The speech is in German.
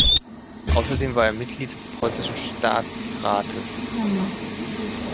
Außerdem war er Mitglied des preußischen Staatsrates.